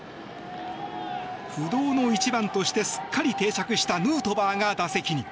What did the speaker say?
不動の１番としてすっかり定着したヌートバーが打席に。